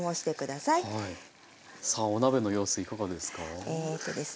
さあお鍋の様子いかがですか？